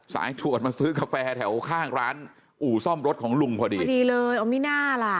ฉวดมาซื้อกาแฟแถวข้างร้านอู่ซ่อมรถของลุงพอดีเลยเอามิน่าล่ะ